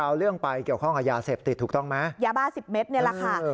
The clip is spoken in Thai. เอาเรื่องไปเกี่ยวข้องกับยาเสพติดถูกต้องไหมยาบ้าสิบเมตรนี่แหละค่ะ